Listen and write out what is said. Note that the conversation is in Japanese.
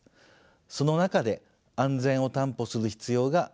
その中で安全を担保する必要があります。